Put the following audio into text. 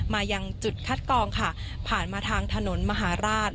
มายังจุดคัดกองค่ะผ่านมาทางถนนมหาราช